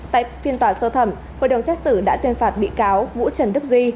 tại phiên tòa sơ thẩm hội đồng xét xử đã tuyên phạt bị cáo vũ trần đức duy số tiền hai tỷ đồng về tội trốn thuế